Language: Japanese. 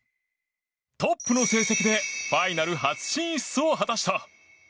トップの成績でファイナル初進出を果たした。